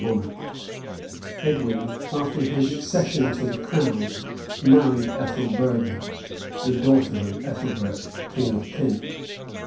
3] Edwin, after his accession to the crown, married Ethelburga, the daughter of Ethelbert, king of Kent.